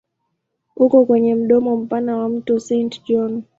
Uko kwenye mdomo mpana wa mto Saint John.